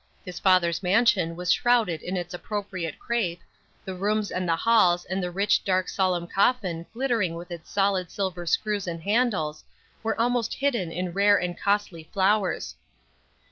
His father's mansion was shrouded in its appropriate crape, the rooms and the halls and the rich, dark solemn coffin glittering with its solid silver screws and handles, were almost hidden in rare and costly flowers.